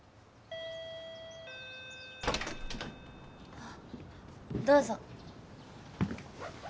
あっどうぞ。